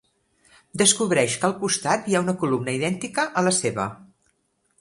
Descobreix que al costat hi ha una columna idèntica a la seva.